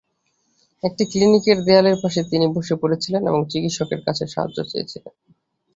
একটি ক্লিনিকের দেয়ালের পাশে তিনি বসে পড়েছিলেন এবং চিকিৎসকের কাছে সাহায্য চেয়েছিলেন।